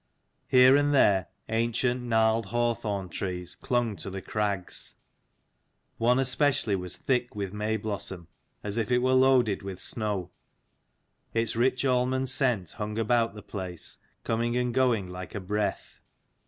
Here and there ancient gnarled hawthorn trees clung to the crags: one especially was thick with may blossom, as if it were loaded with snow: its rich almond scent hung about the place, coming and going like a breath.